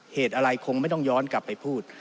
เหตุอะไรคงไม่ต้องย้อนกลับไปพูด